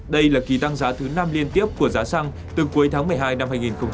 đây là kỳ tăng giá thứ năm liên tiếp của giá xăng từ cuối tháng một mươi hai năm hai nghìn một mươi chín